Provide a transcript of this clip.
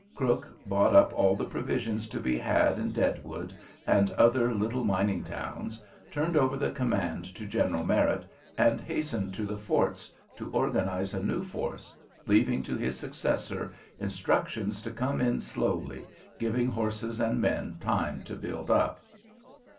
Crook bought up all the provisions to be had in Deadwood and other little mining towns, turned over the command to General Merritt, and hastened to the forts to organize a new force, leaving to his successor instructions to come in slowly, giving horses and men time to build up.